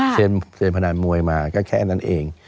เช่นพนันมวยมาก็แค่นั้นเอง